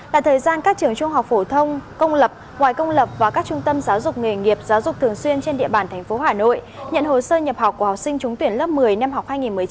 là thời gian các trường trung học phổ thông công lập ngoài công lập và các trung tâm giáo dục nghề nghiệp giáo dục thường xuyên trên địa bàn tp hcm nhận hồ sơ nhập học của học sinh trúng tuyển lớp một mươi năm học hai nghìn một mươi chín hai nghìn hai mươi